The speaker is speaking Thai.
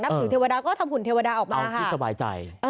นับถือเทวดาก็ทำหุ่นเทวดาออกมาค่ะ